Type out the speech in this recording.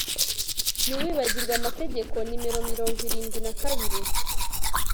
Ntiwibagirwe amategeko nimero mirongo irindwi na kabiri